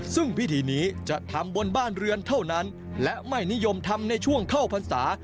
ซึ่งพิธีนี้จะทำบนบ้านเรือนเท่านั้นและไม่นิยมทำในช่วงเข้าพรรษา